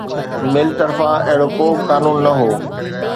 مل طرفان اهڙو ڪو به قانون نه هو